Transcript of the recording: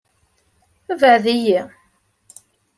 Bɛed-iyi.